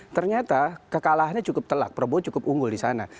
ternyata kekalahannya cukup telak prabowo cukup unggul di sana